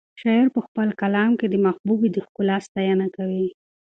شاعر په خپل کلام کې د محبوبې د ښکلا ستاینه کوي.